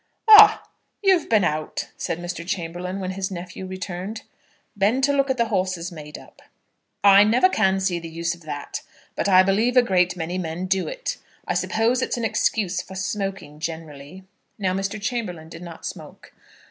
"Ah! you've been out," said Mr. Chamberlaine, when his nephew returned. "Been to look at the horses made up." "I never can see the use of that; but I believe a great many men do it. I suppose it's an excuse for smoking generally." Now, Mr. Chamberlaine did not smoke.